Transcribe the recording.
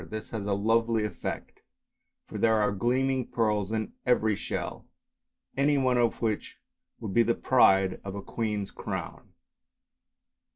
This has a lovely effect, for there are gleaming pearls in every shell, any one of which would be the pride of a queen's crown.